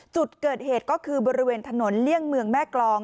จุดเกิดเหตุก็คือบริเวณถนนเลี่ยงเมืองแม่กรอง